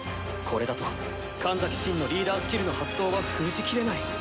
これだと神崎シンのリーダースキルの発動は封じきれない。